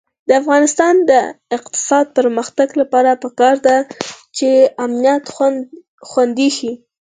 د افغانستان د اقتصادي پرمختګ لپاره پکار ده چې امنیت خوندي شي.